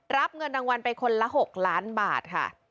รับเงินรางวัลไปคนละ๖ล้านบาทค่ะ